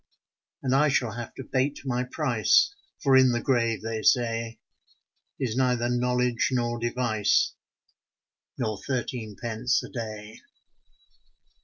And I shall have to bate my price, For in the grave, they say, Is neither knowledge nor device Nor thirteen pence a day.